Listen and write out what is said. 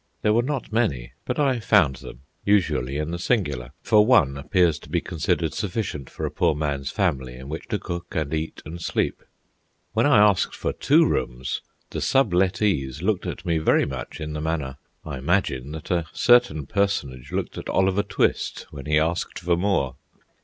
There were not many, but I found them, usually in the singular, for one appears to be considered sufficient for a poor man's family in which to cook and eat and sleep. When I asked for two rooms, the sublettees looked at me very much in the manner, I imagine, that a certain personage looked at Oliver Twist when he asked for more.